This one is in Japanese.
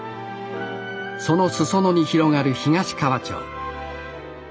その裾野に広がる東川町。